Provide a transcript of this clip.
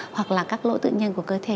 hoặc là các lỗ tự nhiên của cơ thể